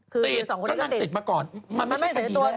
ติดก็นั่งติดมาก่อนมันไม่ใช่คดีแรก